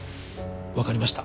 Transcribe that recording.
わかりました。